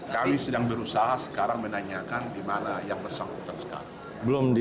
kami sedang berusaha sekarang menanyakan di mana yang bersangkutan sekarang